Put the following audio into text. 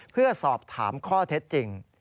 เพื่อสอบถามข้อเท็จจริง